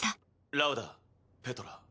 ラウダペトラ。